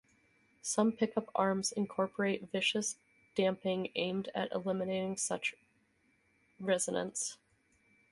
Some pickup arms incorporate viscous damping aimed at eliminating such resonance.